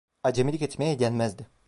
Acemilik etmeye gelmezdi.